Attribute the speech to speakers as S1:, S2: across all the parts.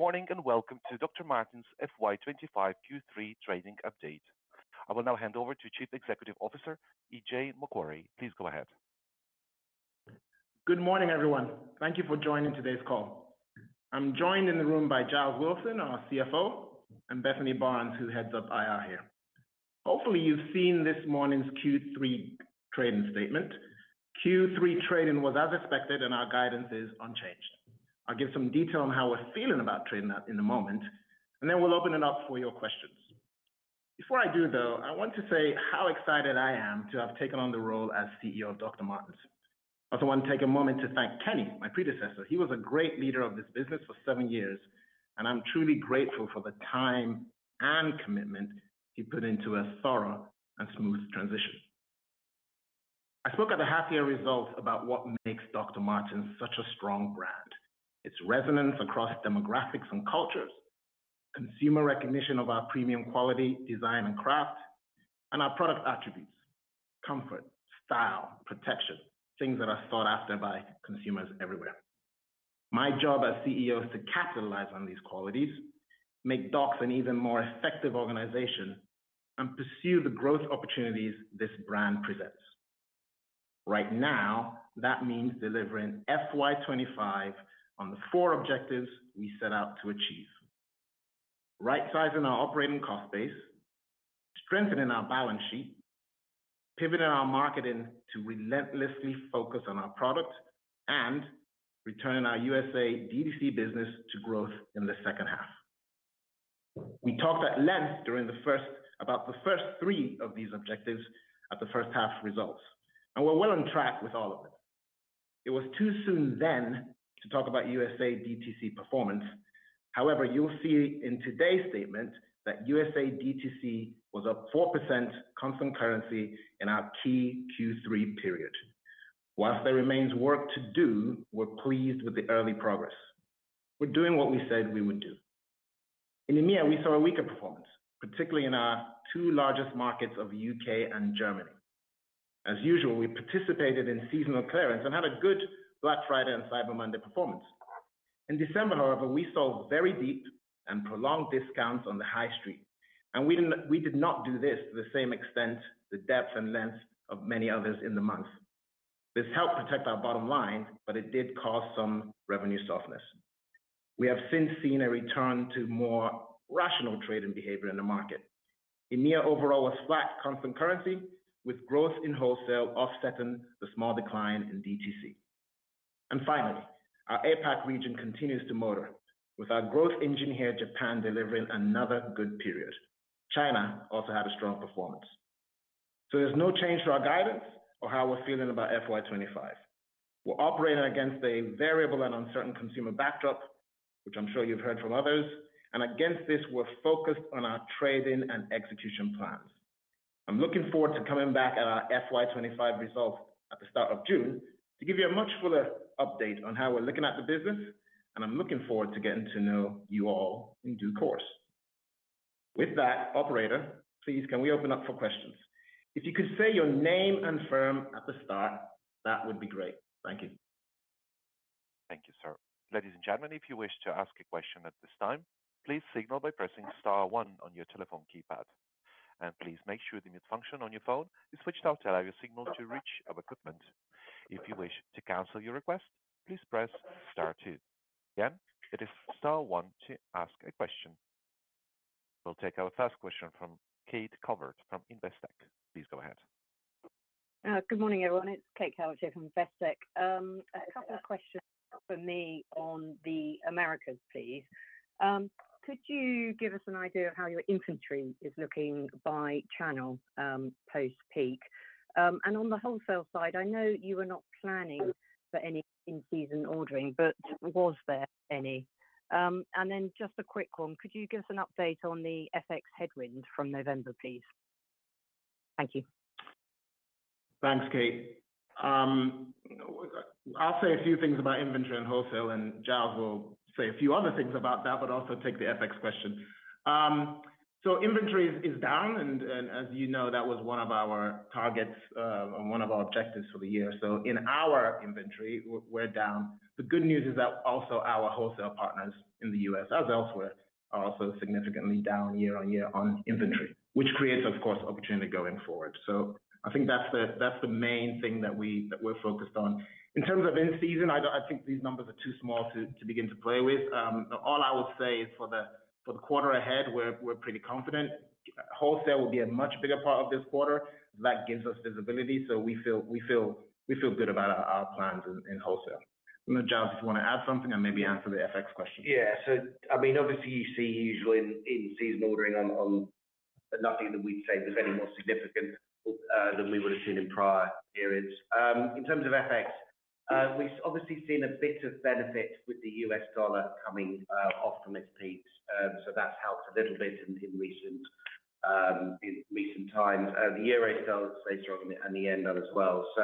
S1: Good morning and welcome to Dr. Martens' FY25Q3 trading update. I will now hand over to Chief Executive Officer, Ije Nwokorie. Please go ahead.
S2: Good morning, everyone. Thank you for joining today's call. I'm joined in the room by Giles Wilson, our CFO, and Bethany Barnes, who heads up IR here. Hopefully, you've seen this morning's Q3 trading statement. Q3 trading was as expected, and our guidance is unchanged. I'll give some detail on how we're feeling about trading that in a moment, and then we'll open it up for your questions. Before I do, though, I want to say how excited I am to have taken on the role as CEO of Dr. Martens. I also want to take a moment to thank Kenny, my predecessor. He was a great leader of this business for seven years, and I'm truly grateful for the time and commitment he put into a thorough and smooth transition. I spoke at the half-year results about what makes Dr. Martens such a strong brand: its resonance across demographics and cultures, consumer recognition of our premium quality, design, and craft, and our product attributes: comfort, style, protection, things that are sought after by consumers everywhere. My job as CEO is to capitalize on these qualities, make docs an even more effective organization, and pursue the growth opportunities this brand presents. Right now, that means delivering FY 25 on the four objectives we set out to achieve: right-sizing our operating cost base, strengthening our balance sheet, pivoting our marketing to relentlessly focus on our product, and returning our USA DTC business to growth in the second half. We talked at length during the first half about the first three of these objectives at the first half results, and we're well on track with all of them. It was too soon then to talk about USA DTC performance. However, you'll see in today's statement that USA DTC was up 4% constant currency in our key Q3 period. Whilst there remains work to do, we're pleased with the early progress. We're doing what we said we would do. In EMEA, we saw a weaker performance, particularly in our two largest markets of the U.K. and Germany. As usual, we participated in seasonal clearance and had a good Black Friday and Cyber Monday performance. In December, however, we saw very deep and prolonged discounts on the high street, and we did not do this to the same extent, the depth, and length of many others in the month. This helped protect our bottom line, but it did cause some revenue softness. We have since seen a return to more rational trading behavior in the market. EMEA overall was flat constant currency, with growth in wholesale offsetting the small decline in DTC. And finally, our APAC region continues to motor, with our growth engine here in Japan delivering another good period. China also had a strong performance. So there's no change for our guidance or how we're feeling about FY 25. We're operating against a variable and uncertain consumer backdrop, which I'm sure you've heard from others, and against this, we're focused on our trading and execution plans. I'm looking forward to coming back at our FY 25 results at the start of June to give you a much fuller update on how we're looking at the business, and I'm looking forward to getting to know you all in due course. With that, operator, please, can we open up for questions? If you could say your name and firm at the start, that would be great. Thank you.
S1: Thank you, sir. Ladies and gentlemen, if you wish to ask a question at this time, please signal by pressing Star 1 on your telephone keypad. And please make sure the mute function on your phone is switched off to allow your signal to reach our equipment. If you wish to cancel your request, please press Star 2. Again, it is Star 1 to ask a question. We'll take our first question from Kate Calvert from Investec. Please go ahead.
S3: Good morning, everyone. It's Kate Calvert here from Investec. A couple of questions from me on the Americas, please. Could you give us an idea of how your inventory is looking by channel post-peak? And on the wholesale side, I know you were not planning for any in-season ordering, but was there any? And then just a quick one, could you give us an update on the FX headwind from November, please? Thank you.
S2: Thanks, Kate. I'll say a few things about inventory and wholesale, and Giles will say a few other things about that, but also take the FX question. So inventory is down, and as you know, that was one of our targets and one of our objectives for the year. So in our inventory, we're down. The good news is that also our wholesale partners in the U.S., as elsewhere, are also significantly down year on year on inventory, which creates, of course, opportunity going forward. So I think that's the main thing that we're focused on. In terms of in-season, I think these numbers are too small to begin to play with. All I will say is for the quarter ahead, we're pretty confident. Wholesale will be a much bigger part of this quarter. That gives us visibility, so we feel good about our plans in wholesale. I don't know, Giles, if you want to add something and maybe answer the FX question.
S4: Yeah. So I mean, obviously, you see usually in seasonal ordering on nothing that we'd say was any more significant than we would have seen in prior periods. In terms of FX, we've obviously seen a bit of benefit with the US dollar coming off from its peak, so that's helped a little bit in recent times. The euro is still staying strong at the end as well. So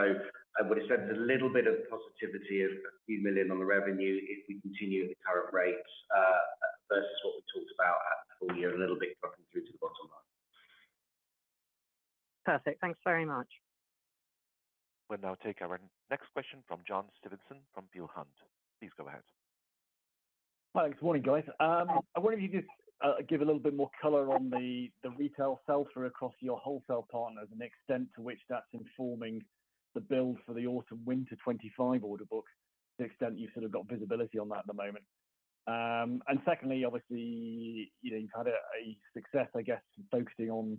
S4: I would have said there's a little bit of positivity of a few million on the revenue if we continue at the current rates versus what we talked about at the full year, a little bit dropping through to the bottom line.
S3: Perfect. Thanks very much.
S1: We'll now take our next question from John Stevenson from Peel Hunt. Please go ahead.
S5: Hi, good morning, guys. I wonder if you could just give a little bit more color on the retail sell-through across your wholesale partners and the extent to which that's informing the build for the autumn/winter '25 order book, to the extent you've sort of got visibility on that at the moment. And secondly, obviously, you've had a success, I guess, focusing on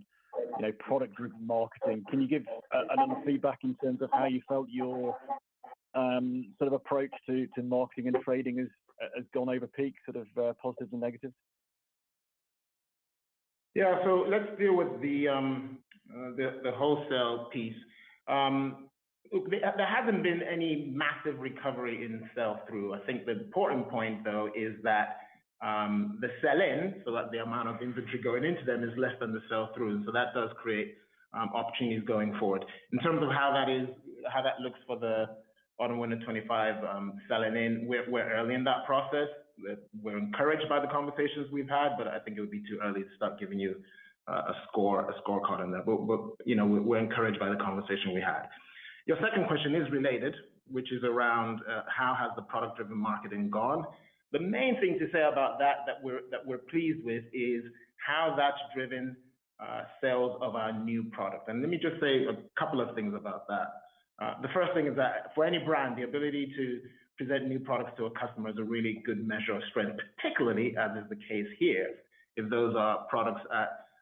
S5: product-driven marketing. Can you give another feedback in terms of how you felt your sort of approach to marketing and trading has gone over peak, sort of positives and negatives?
S2: Yeah. So let's deal with the wholesale piece. There hasn't been any massive recovery in sell-through. I think the important point, though, is that the sell-in, so the amount of inventory going into them, is less than the sell-through, and so that does create opportunities going forward. In terms of how that looks for the autumn/winter 2025 selling in, we're early in that process. We're encouraged by the conversations we've had, but I think it would be too early to start giving you a score card on that, but we're encouraged by the conversation we had. Your second question is related, which is around how has the product-driven marketing gone? The main thing to say about that that we're pleased with is how that's driven sales of our new product, and let me just say a couple of things about that. The first thing is that for any brand, the ability to present new products to a customer is a really good measure of strength, particularly, as is the case here, if those are products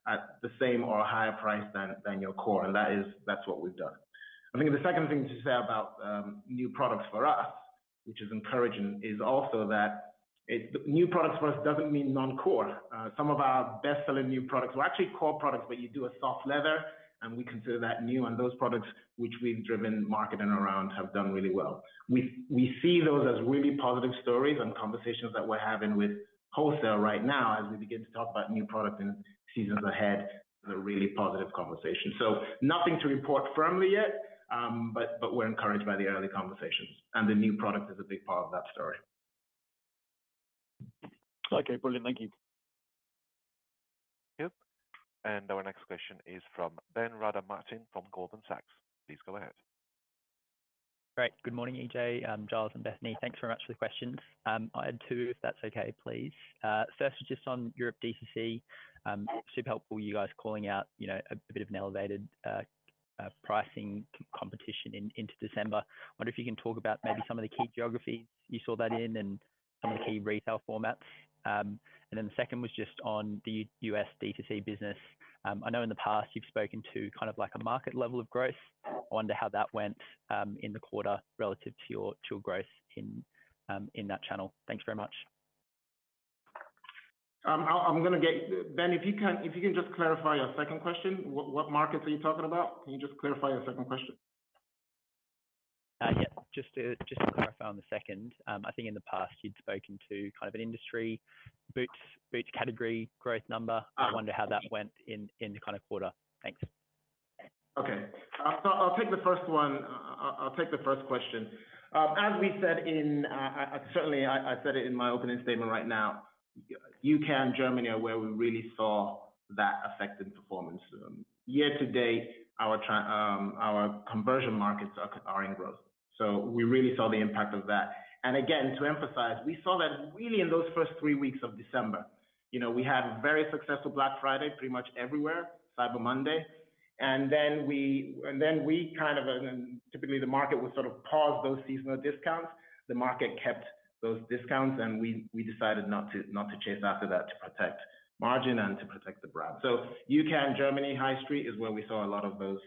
S2: at the same or a higher price than your core, and that's what we've done. I think the second thing to say about new products for us, which is encouraging, is also that new products for us doesn't mean non-core. Some of our best-selling new products were actually core products, but you do a soft leather, and we consider that new, and those products which we've driven marketing around have done really well. We see those as really positive stories and conversations that we're having with wholesale right now as we begin to talk about new products in seasons ahead, the really positive conversation. So nothing to report firmly yet, but we're encouraged by the early conversations, and the new product is a big part of that story.
S1: Okay. Brilliant. Thank you. Yep. And our next question is from Ben Rada Martin from Goldman Sachs. Please go ahead.
S6: Great. Good morning, Ije. I'm Giles and Bethany. Thanks very much for the questions. I'll add two, if that's okay, please. First, just on Europe DTC, super helpful you guys calling out a bit of an elevated pricing competition into December. I wonder if you can talk about maybe some of the key geographies you saw that in and some of the key retail formats. And then the second was just on the US DTC business. I know in the past you've spoken to kind of like a market level of growth. I wonder how that went in the quarter relative to your growth in that channel. Thanks very much.
S2: I'm going to get Ben, if you can just clarify your second question. What markets are you talking about? Can you just clarify your second question?
S6: Yes. Just to clarify on the second, I think in the past you'd spoken to kind of an industry boots category growth number. I wonder how that went in the kind of quarter? Thanks.
S2: Okay. I'll take the first one. I'll take the first question. As we said, certainly I said it in my opening statement. Right now, UK and Germany are where we really saw that affecting performance. Year to date, our core markets are in growth. So we really saw the impact of that. And again, to emphasize, we saw that really in those first three weeks of December. We had a very successful Black Friday pretty much everywhere, Cyber Monday. And then we kind of typically the market would sort of pause those seasonal discounts. The market kept those discounts, and we decided not to chase after that to protect margin and to protect the brand. So UK and Germany high street is where we saw a lot of those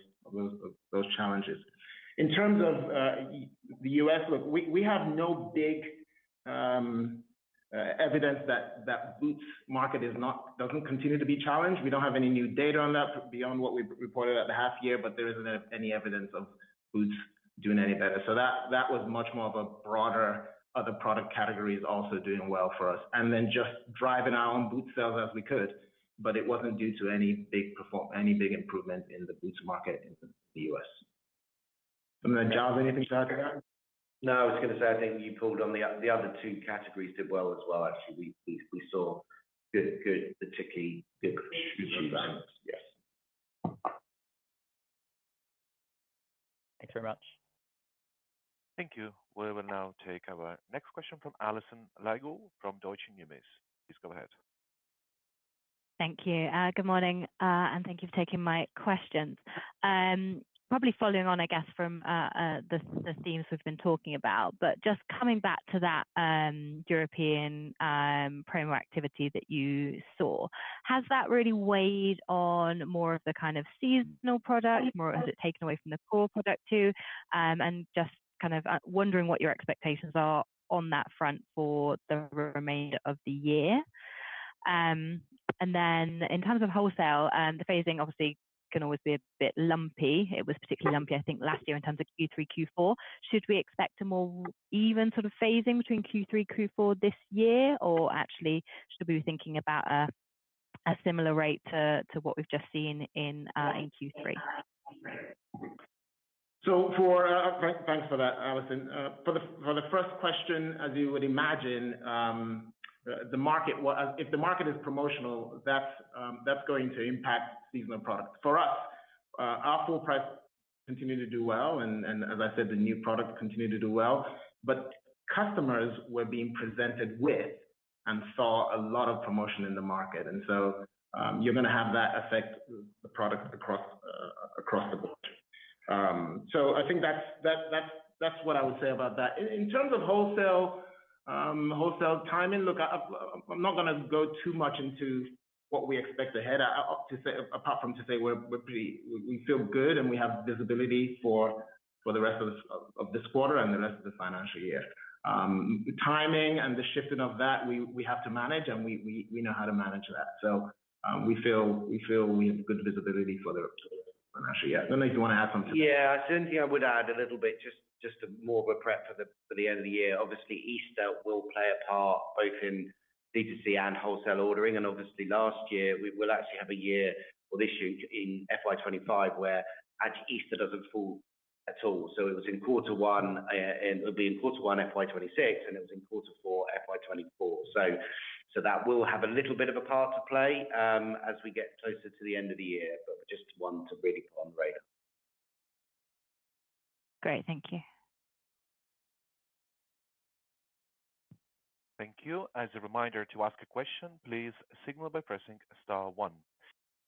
S2: challenges. In terms of the U.S., look, we have no big evidence that that boots market doesn't continue to be challenged. We don't have any new data on that beyond what we reported at the half year, but there isn't any evidence of boots doing any better. So that was much more of a broader other product categories also doing well for us, and then just driving our own boot sales as we could, but it wasn't due to any big improvement in the boots market in the U.S. And then Giles, anything to add to that?
S4: No, I was going to say, I think you pulled on the other two categories did well as well. Actually, we saw good, particularly good.
S1: Yes.
S6: Thanks very much.
S1: Thank you. We will now take our next question from Alison Lygo from Deutsche Numis. Please go ahead.
S7: Thank you. Good morning, and thank you for taking my questions. Probably following on, I guess, from the themes we've been talking about, but just coming back to that European promo activity that you saw, has that really weighed on more of the kind of seasonal product? Has it taken away from the core product too? And just kind of wondering what your expectations are on that front for the remainder of the year? And then in terms of wholesale, the phasing obviously can always be a bit lumpy. It was particularly lumpy, I think, last year in terms of Q3, Q4. Should we expect a more even sort of phasing between Q3, Q4 this year, or actually should we be thinking about a similar rate to what we've just seen in Q3?
S2: So thanks for that, Alison. For the first question, as you would imagine, if the market is promotional, that's going to impact seasonal products. For us, our full price continued to do well, and as I said, the new product continued to do well, but customers were being presented with and saw a lot of promotion in the market. And so you're going to have that affect the product across the board. So I think that's what I would say about that. In terms of wholesale timing, look, I'm not going to go too much into what we expect ahead apart from to say we feel good and we have visibility for the rest of this quarter and the rest of the financial year. Timing and the shifting of that, we have to manage, and we know how to manage that. So we feel we have good visibility for the financial year. I don't know if you want to add something. Yeah. I certainly would add a little bit just more of a prep for the end of the year. Obviously, Easter will play a part both in DTC and wholesale ordering. And obviously, last year, we will actually have a year or this year in FY 25 where actually Easter doesn't fall at all. So it was in quarter one, it'll be in quarter one FY 26, and it was in quarter four FY 24. So that will have a little bit of a part to play as we get closer to the end of the year, but just one to really put on the radar.
S7: Great. Thank you.
S1: Thank you. As a reminder to ask a question, please signal by pressing Star 1.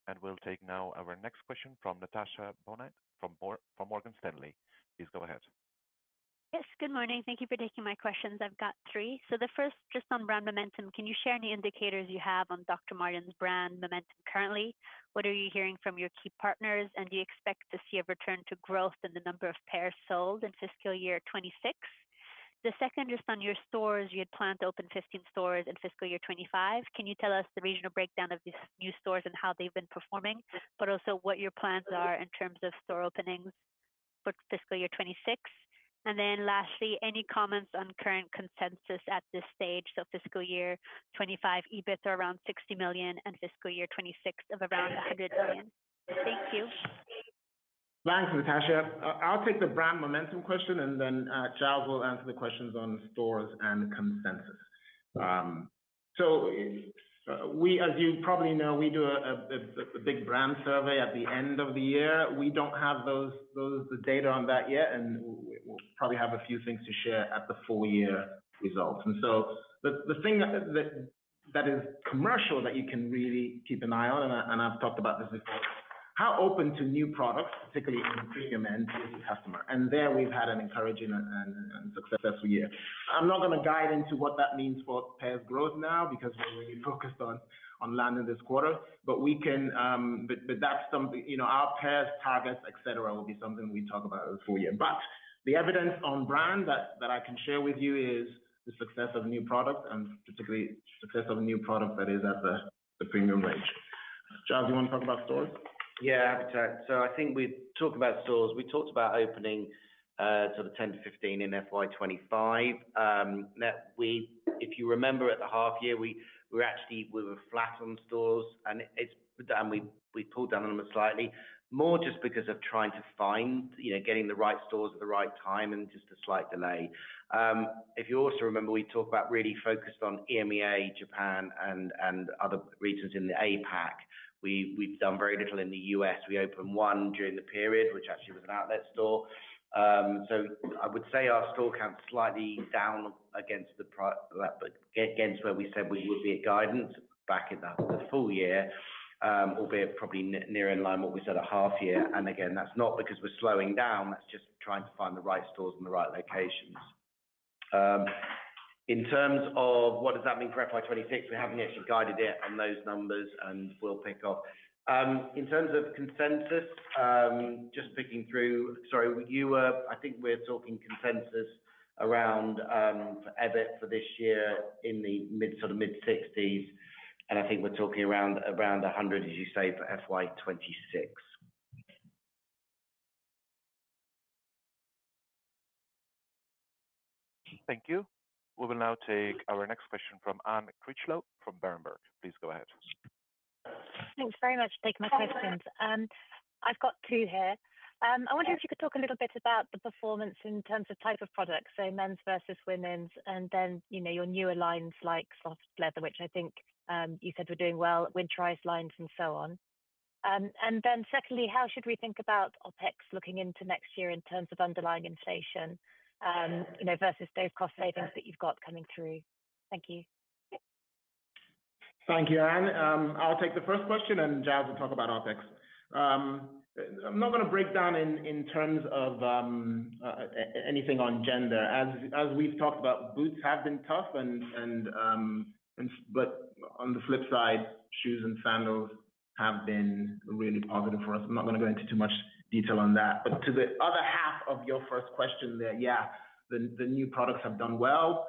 S1: And we'll take now our next question from Natasha Bonnet Banoori from Morgan Stanley. Please go ahead.
S8: Yes. Good morning. Thank you for taking my questions. I've got three. So the first, just on brand momentum, can you share any indicators you have on Dr. Martens brand momentum currently? What are you hearing from your key partners, and do you expect to see a return to growth in the number of pairs sold in fiscal year '26? The second, just on your stores, you had planned to open 15 stores in fiscal year '25. Can you tell us the regional breakdown of these new stores and how they've been performing, but also what your plans are in terms of store openings for fiscal year '26? And then lastly, any comments on current consensus at this stage? So fiscal year '25, EBIT are around 60 million, and fiscal year '26 of around 100 million. Thank you.
S2: Thanks, Natasha. I'll take the brand momentum question, and then Giles will answer the questions on stores and consensus. So as you probably know, we do a big brand survey at the end of the year. We don't have the data on that yet, and we'll probably have a few things to share at the full year results. And so the thing that is commercial that you can really keep an eye on, and I've talked about this before, how open to new products, particularly in the premium end, is the customer? And there we've had an encouraging and successful year. I'm not going to guide into what that means for pairs growth now because we're really focused on landing this quarter, but that's our pairs targets, etc., will be something we talk about in the full year. But the evidence on brand that I can share with you is the success of new products and particularly success of a new product that is at the premium range. Giles, you want to talk about stores?
S4: Yeah, I'll be brief. So I think we talked about stores. We talked about opening sort of 10-15 in FY 25. If you remember, at the half year, we were flat on stores, and we pulled down on them slightly, more just because of trying to find getting the right stores at the right time and just a slight delay. If you also remember, we talked about really focused on EMEA, Japan, and other regions in the APAC. We've done very little in the U.S. We opened one during the period, which actually was an outlet store. So I would say our store count's slightly down against where we said we would be at guidance back in the full year, albeit probably nearly in line with what we said at half year. And again, that's not because we're slowing down. That's just trying to find the right stores in the right locations. In terms of what does that mean for FY 26, we haven't actually guided it on those numbers, and we'll pick off. In terms of consensus, just picking through, sorry, I think we're talking consensus around EBIT for this year in the mid-60s, and I think we're talking around 100, as you say, for FY 26.
S1: Thank you. We will now take our next question from Anne Critchlow from Société Générale. Please go ahead.
S9: Thanks very much for taking my questions. I've got two here. I wonder if you could talk a little bit about the performance in terms of type of products, so men's versus women's, and then your newer lines like soft leather, which I think you said were doing well, winterized lines, and so on. And then secondly, how should we think about OpEx looking into next year in terms of underlying inflation versus those cost savings that you've got coming through? Thank you.
S2: Thank you, Anne. I'll take the first question, and Giles will talk about OpEx. I'm not going to break down in terms of anything on gender. As we've talked about, boots have been tough, but on the flip side, shoes and sandals have been really positive for us. I'm not going to go into too much detail on that. But to the other half of your first question there, yeah, the new products have done well.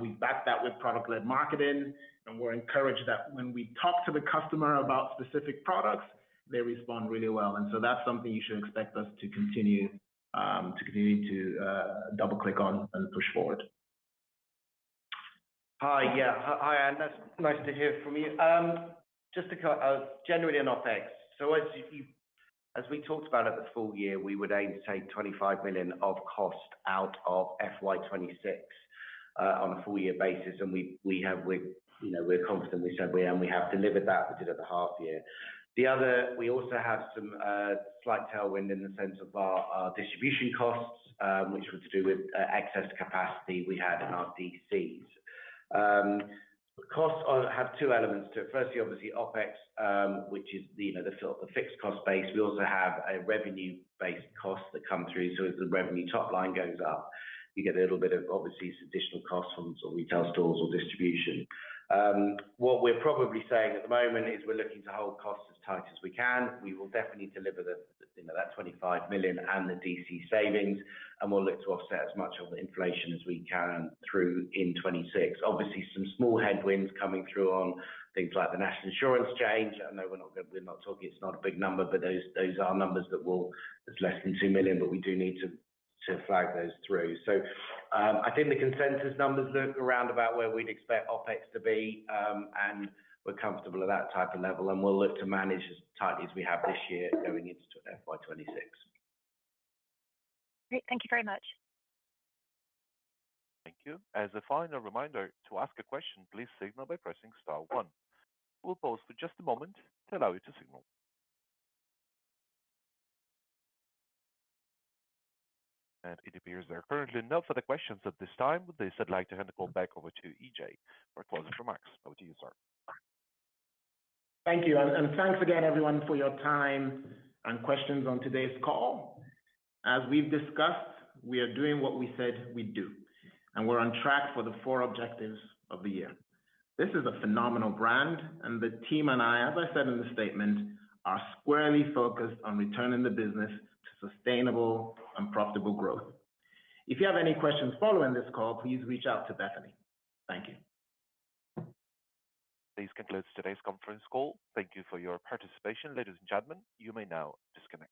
S2: We've backed that with product-led marketing, and we're encouraged that when we talk to the customer about specific products, they respond really well. And so that's something you should expect us to continue to double-click on and push forward.
S4: Hi. Yeah. Hi, Anne. That's nice to hear from you. Just to call out, generally on OpEx, so as we talked about at the full year, we would aim to take 25 million of cost out of FY 26 on a full year basis, and we're confident we said we have, and we have delivered that. We did it at the half year. We also have some slight tailwind in the sense of our distribution costs, which were to do with excess capacity we had in our DCs. Costs have two elements to it. Firstly, obviously, OpEx, which is the fixed cost base. We also have a revenue-based cost that comes through. So as the revenue top line goes up, you get a little bit of, obviously, some additional costs from retail stores or distribution. What we're probably saying at the moment is we're looking to hold costs as tight as we can. We will definitely deliver that 25 million and the DC savings, and we'll look to offset as much of the inflation as we can through in '26. Obviously, some small headwinds coming through on things like the National Insurance change. I know we're not talking. It's not a big number, but those are numbers that will. It's less than 2 million, but we do need to flag those through. So I think the consensus numbers look around about where we'd expect OpEx to be, and we're comfortable at that type of level, and we'll look to manage as tightly as we have this year going into FY 26.
S9: Great. Thank you very much.
S1: Thank you. As a final reminder to ask a question, please signal by pressing Star 1. We'll pause for just a moment to allow you to signal, and it appears there are currently no further questions at this time. With this, I'd like to hand the call back over to Ije for a closing remarks. Over to you, sir.
S2: Thank you. And thanks again, everyone, for your time and questions on today's call. As we've discussed, we are doing what we said we'd do, and we're on track for the four objectives of the year. This is a phenomenal brand, and the team and I, as I said in the statement, are squarely focused on returning the business to sustainable and profitable growth. If you have any questions following this call, please reach out to Bethany. Thank you.
S1: This concludes today's conference call. Thank you for your participation, ladies and gentlemen. You may now disconnect.